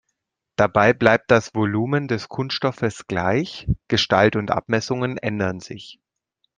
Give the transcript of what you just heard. Dabei bleibt das Volumen des Kunststoffes gleich, Gestalt und Abmessungen ändern sich.